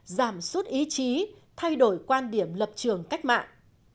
giảm suốt ý chí thay đổi quan điểm lập trường cách mạng